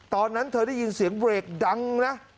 ตอนนั้นเธอได้ยินเสียงเบรกดังนะ